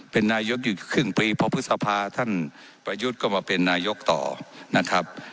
เป็นนายกอยู่ครึ่งปีพอพฤษภาท่านประยุทธ์ก็มาเป็นนายกต่อนะครับ